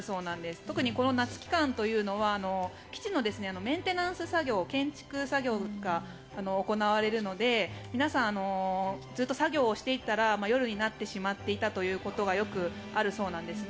特にこの夏期間というのは基地のメンテナンス作業建築作業が行われるので皆さん、ずっと作業をしていたら夜になってしまっていたということがよくあるそうなんですね。